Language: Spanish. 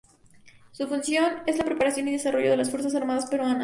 Su función es la preparación y desarrollo de las Fuerzas armadas peruanas.